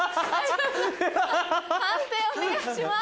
判定お願いします。